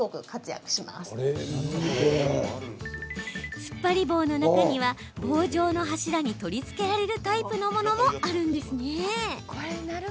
つっぱり棒の中には、棒状の柱に取り付けられるタイプのものもあるんですね。